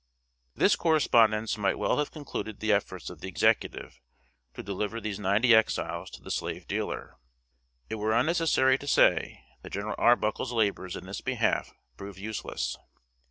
This correspondence might well have concluded the efforts of the Executive to deliver these ninety Exiles to the slave dealer. It were unnecessary to say, that General Arbuckle's labors in this behalf proved useless.